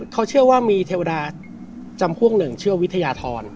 เขาเชื่อว่ามีเทวดาจำพวกหนึ่งเชื่อวิทยาธร